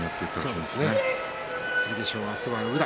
剣翔、明日は宇良。